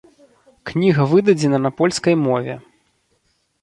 Кніга выдадзена на польскай мове.